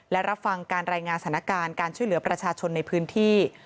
และรับฟังการรายงานสถานการณ์การช่วยเหลือประชาชนในพื้นที่